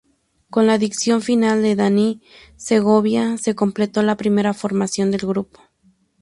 Con la adición final de Danny Segovia se completó la primera formación del grupo.